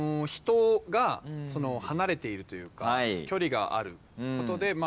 人が離れているというか距離があることで。